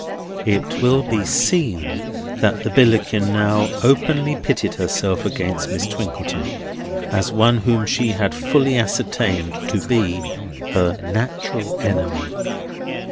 It will be seen that the Billickin now openly pitted herself against Miss Twinkleton, as one whom she had fully ascertained to be her natural enemy.